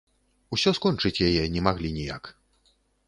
Усё скончыць яе не маглі ніяк.